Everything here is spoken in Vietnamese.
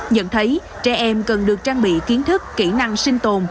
nhận thấy trẻ em cần được trang bị kiến thức kỹ năng sinh tồn